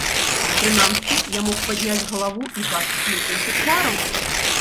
Прынамсі, я мог падняць галаву і бачыць некалькі твараў.